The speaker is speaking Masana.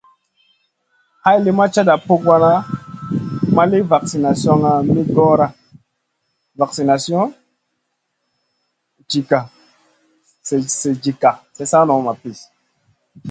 Hay li ma cata pukawa naʼ ma li vaksination mi goora.